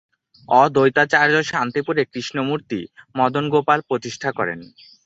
অদ্বৈতাচার্য শান্তিপুরে কৃষ্ণমূর্তি ‘মদনগোপাল’ প্রতিষ্ঠা করেন।